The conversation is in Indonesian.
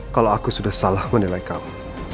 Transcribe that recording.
kalau aku sudah salah menilai kamu